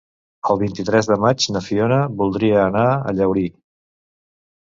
El vint-i-tres de maig na Fiona voldria anar a Llaurí.